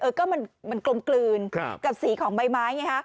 เออก็มันกลมกลืนกับสีของใบไม้ไงฮะ